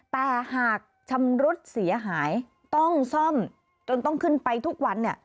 แต่หากชำรุดเสียหายต้องซ่อมจนต้องขึ้นไปทุกวันเนี่ย